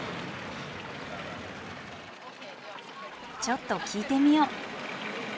ちょっと聞いてみよう。